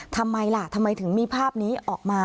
ทำไมล่ะทำไมถึงมีภาพนี้ออกมา